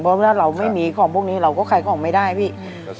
เพราะถ้าเราไม่มีของพวกนี้เราก็ขายของไม่ได้พี่